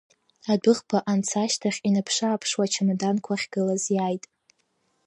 Адәыӷба анца ашьҭахь инаԥшы-ааԥшуа ачамаданқәа ахьгылаз иааит.